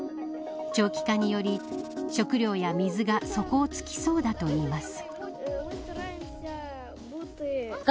長期化により、食料や水が底をつきそうだといいます。